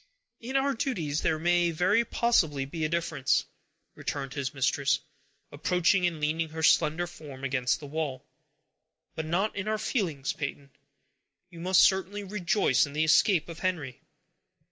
"In our duties there may very possibly be a difference," returned his mistress, approaching, and leaning her slender form against the wall; "but not in our feelings, Peyton. You must certainly rejoice in the escape of Henry!"